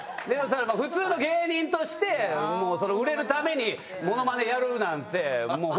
普通の芸人として売れるためにモノマネやるなんて。